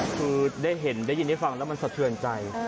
คือได้เห็นได้ยินได้ฟังแล้วมันสะเทือนใจ